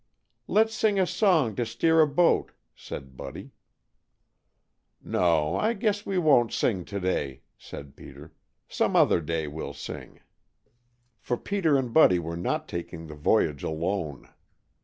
"Let's sing a song to steer a boat," said Buddy. "No, I guess we won't sing to day," said Peter. "Some other day we'll sing." For Peter and Buddy were not taking the voyage alone.